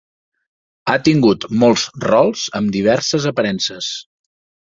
Ha tingut molts rols amb diverses aparences.